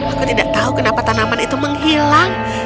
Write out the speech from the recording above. aku tidak tahu kenapa tanaman itu menghilang